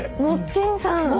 もっちん。